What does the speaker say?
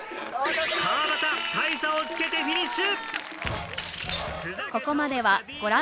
川畑大差をつけてフィニッシュ！